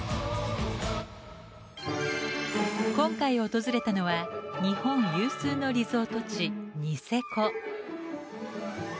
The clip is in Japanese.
今回訪れたのは日本有数のリゾート地ニセコ。